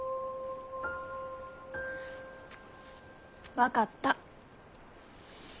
分かった。